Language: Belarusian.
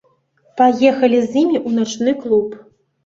Паехалі з імі ў начны клуб.